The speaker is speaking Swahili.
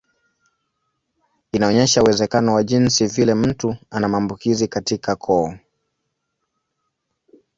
Inaonyesha uwezekano wa jinsi vile mtu ana maambukizi katika koo.